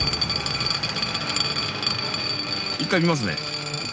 一回見ますね。